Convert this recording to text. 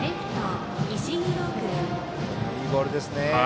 いいボールですね。